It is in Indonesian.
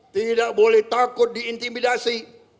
tidak boleh takut di intimidasi